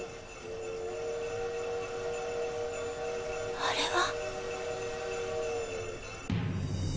あれは。